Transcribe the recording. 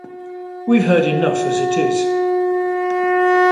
We’ve heard enough as it is.